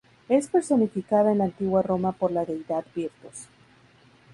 Es personificada en la Antigua Roma por la deidad Virtus.